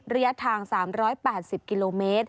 ระยะทาง๓๘๐กิโลเมตร